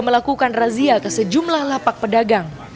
melakukan razia ke sejumlah lapak pedagang